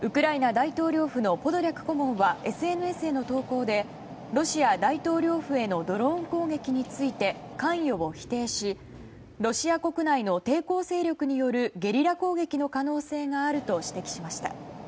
大統領府のポドリャク顧問はＳＮＳへの投稿でロシア大統領府へのドローン攻撃について関与を否定し、ロシア国内の抵抗勢力によるゲリラ攻撃の可能性があると指摘しました。